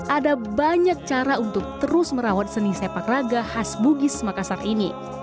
ada banyak cara untuk terus merawat seni sepak raga khas bugis makassar ini